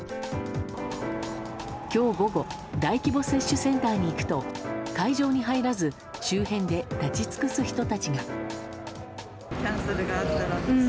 今日午後大規模接種センターに行くと会場に入らず周辺で立ち尽くす人たちが。